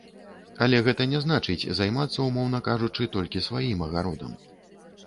Але гэта не значыць, займацца, умоўна кажучы, толькі сваім агародам.